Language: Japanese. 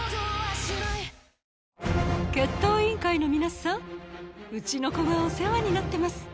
決闘委員会の皆さんうちの子がお世話になってます